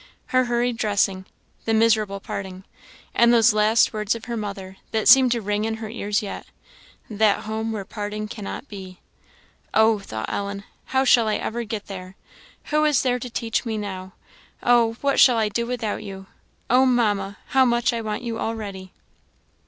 her hurried dressing the miserable parting and those last words of her mother, that seemed to ring in her ears yet "That home where parting cannot be." "Oh!" thought Ellen, "how shall I ever get there? Who is there to teach me now? Oh! what shall I do without you? Oh, Mamma! how much I want you already!"